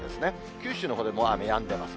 九州のほうでも雨やんでます。